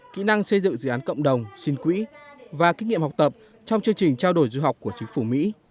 kỹ năng xây dựng dự án cộng đồng xin quỹ và kinh nghiệm học tập trong chương trình trao đổi du học của chính phủ mỹ